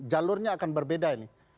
jalurnya akan berbeda ini